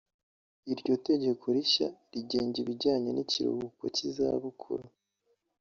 Iryo tegeko rishya rigenga ibijyanye n’ikiruhuko cy’izabukuru